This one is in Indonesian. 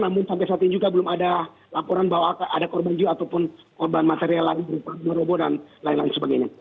namun sampai saat ini juga belum ada laporan bahwa ada korban jiwa ataupun korban material lain